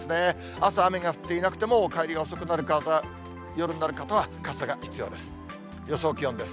朝雨が降っていなくても、帰りが遅くなる方、傘が必要です。